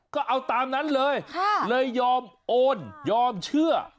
ก็เอาตามนั้นเลยเลยยอมโอนยอมเชื่อ